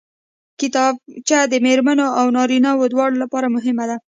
کتابچه د مېرمنو او نارینوو دواړو لپاره مهمه ده